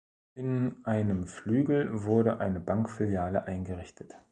In einem Flügel wurde eine Bankfiliale eingerichtet.